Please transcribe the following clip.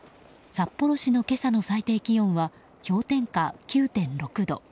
札幌市の今朝の最低気温は氷点下９．６度。